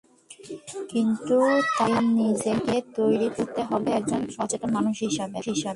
কিন্তু তার আগে নিজেকে তৈরি করতে হবে, একজন সচেতন মানুষ হিসেবে।